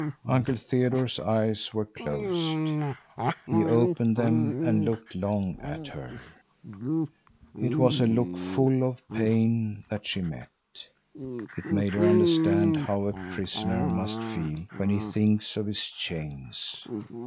Uncle Theodore's eyes were closed. He opened them and looked long at her. It was a look full of pain that she met. It made her understand how a prisoner must feel when he thinks of his chains.